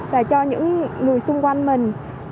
và cho những người xung quanh mình